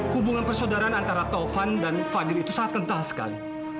hubungan persaudaraan antara taufan dan fadil itu sangat kental sekali